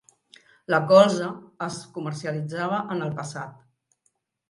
La colza es comercialitzava en el passat.